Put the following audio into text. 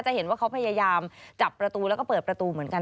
เห็นว่าเขาพยายามจับประตูแล้วก็เปิดประตูเหมือนกัน